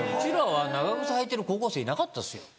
長靴履いてる高校生いなかったですよ。